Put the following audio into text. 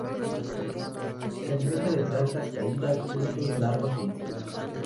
Se alimenta de plantas caídas, frutos, larvas e insectos.